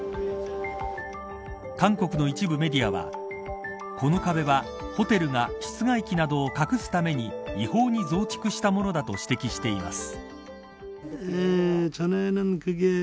韓国の一部メディアはこの壁は、ホテルが室外機などを隠すために違法に増築したものだと指摘しています。